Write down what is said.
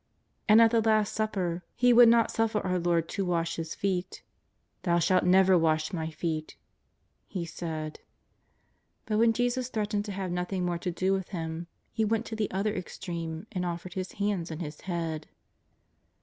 And at the Last Supper he would not suffer 194 JESUS OF NAZARETH. our Lord to wash his feet :^' Thou shalt never wasli my feet," he said. But when Jesus threatened to have nothing more to do with him, he went to the other ex treme and offered liis hands and his head.